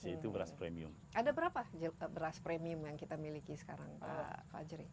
ada berapa beras premium yang kita miliki sekarang pak fajri